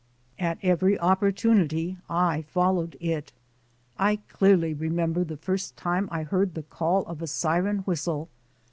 At every opportunity I followed it. I clearly re member the first time I heard the call of a siren whistle.